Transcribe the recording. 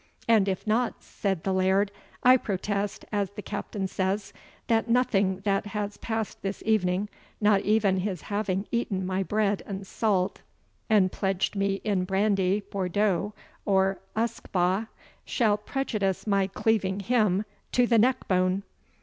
"And if not," said the Laird, "I protest, as the Captain says, that nothing that has passed this evening, not even his having eaten my bread and salt, and pledged me in brandy, Bourdeaux, or usquebaugh, shall prejudice my cleaving him to the neck bone."